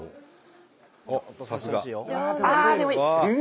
ああでもいい！